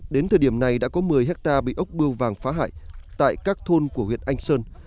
đến thời điểm này đã có một mươi hectare bị ốc bưu vàng phá hại tại các thôn của huyện anh sơn